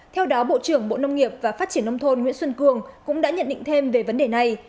theo đó bộ trưởng bộ nông nghiệp và phát triển nông thôn nguyễn xuân cường cũng đã nhận định thêm về vấn đề này